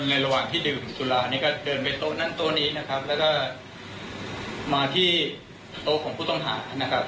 ระหว่างที่ดื่มสุรานี่ก็เดินไปโต๊ะนั่นโต๊ะนี้นะครับแล้วก็มาที่โต๊ะของผู้ต้องหานะครับ